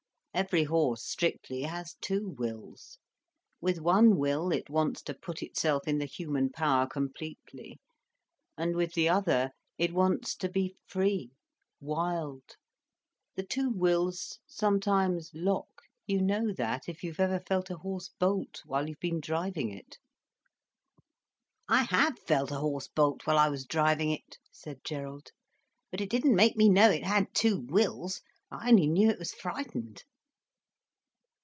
Every horse, strictly, has two wills. With one will, it wants to put itself in the human power completely—and with the other, it wants to be free, wild. The two wills sometimes lock—you know that, if ever you've felt a horse bolt, while you've been driving it." "I have felt a horse bolt while I was driving it," said Gerald, "but it didn't make me know it had two wills. I only knew it was frightened."